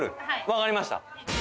わかりました